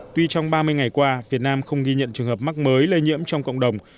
tuy trong ba mươi ngày qua việt nam không ghi nhận trường hợp mắc mới lây nhiễm trong cộng đồng